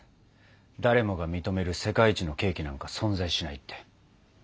誰もが認める世界一のケーキなんか存在しないって。